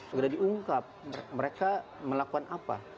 segera diungkap mereka melakukan apa